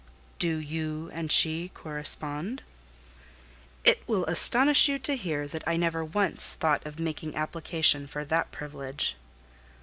"Do you and she correspond?" "It will astonish you to hear that I never once thought of making application for that privilege."